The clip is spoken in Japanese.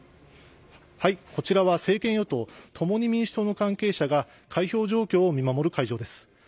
こちらは政権与党・共に民主党の関係者が開票状況を見守る会場です。